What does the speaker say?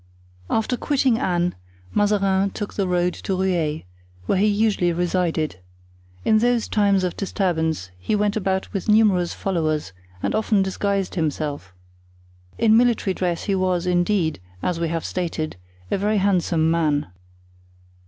After quitting Anne, Mazarin took the road to Rueil, where he usually resided; in those times of disturbance he went about with numerous followers and often disguised himself. In military dress he was, indeed, as we have stated, a very handsome man.